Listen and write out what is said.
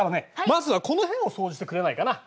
まずはこの部屋を掃除してくれないかな。